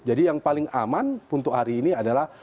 jadi yang paling aman untuk hari ini adalah